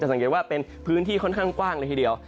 สังเกตว่าเป็นพื้นที่ค่อนข้างกว้างเลยทีเดียว